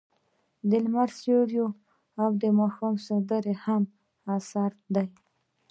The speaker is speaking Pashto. د لمر سیوری او د ماښام سندرې یې هم اثار دي.